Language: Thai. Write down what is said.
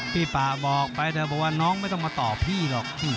พี่ป่าบอกไปเธอบอกว่าน้องไม่ต้องมาต่อพี่หรอก